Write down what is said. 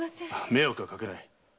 迷惑はかけない。